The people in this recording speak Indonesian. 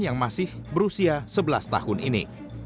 yang masih berusia sebelas tahun ini